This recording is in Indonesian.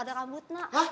udah pak udah